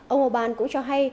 ông orbán cũng cho hay